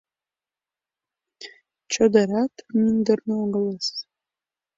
«Чодырат мӱндырнӧ огылыс...